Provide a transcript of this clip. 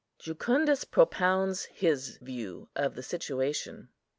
JUCUNDUS PROPOUNDS HIS VIEW OF THE SITUATION.